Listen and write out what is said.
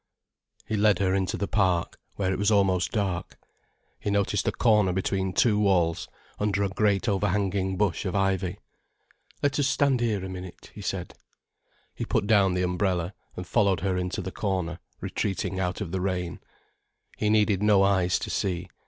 He led her into the Park, where it was almost dark. He noticed a corner between two walls, under a great overhanging bush of ivy. "Let us stand here a minute," he said. He put down the umbrella, and followed her into the corner, retreating out of the rain. He needed no eyes to see.